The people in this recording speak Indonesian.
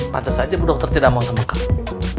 pancas aja bu dokter tidak mau sama kamu